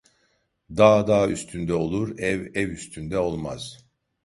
Dağ dağ üstünde olur, ev ev üstünde olmaz.